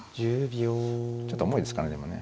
ちょっと重いですかねでもね。